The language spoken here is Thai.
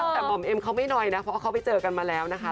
แต่บ่อมเอ็มเค้าไม่หน่อยนะเพราะเค้าไปเจอกันมาแล้วนะคะ